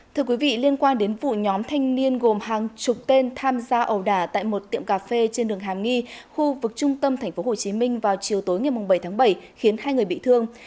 thưa quý vị liên quan đến vụ nhóm thanh niên gồm hàng chục tên tham gia ẩu đả tại một tiệm cà phê trên đường hàm nghi khu vực trung tâm tp hcm vào chiều tối ngày bảy tháng bảy khiến hai người bị thương